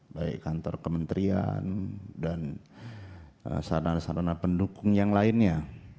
baik kantor kementerian dan sarana sarana pendukung yang lainnya